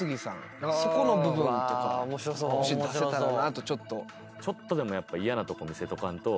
そこの部分とかもし出せたらなと。